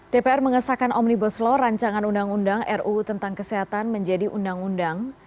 dpr mengesahkan omnibus law rancangan undang undang ruu tentang kesehatan menjadi undang undang